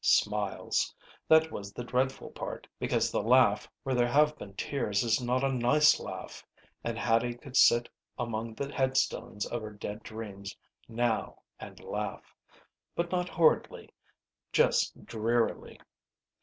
Smiles. That was the dreadful part, because the laugh where there have been tears is not a nice laugh, and Hattie could sit among the headstones of her dead dreams now and laugh. But not horridly. Just drearily.